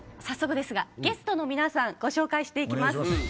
早速ですがゲストの皆さんご紹介していきます。